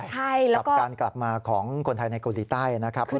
กับการกลับมาของคนไทยในเกาหลีใต้นะครับ